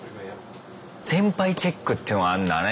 先輩チェックっていうのがあんだね。